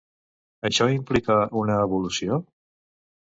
Això implica una evolució?